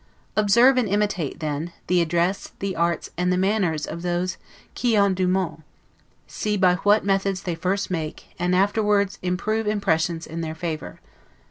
Observe and imitate, then, the address, the arts, and the manners of those 'qui ont du monde': see by what methods they first make, and afterward improve impressions in their favor.